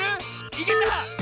いけた！